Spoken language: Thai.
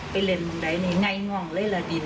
ไปเล่นไหนไง่งองเล่ละดิน